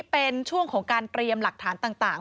เป็นช่วงของการเตรียมหลักฐานต่าง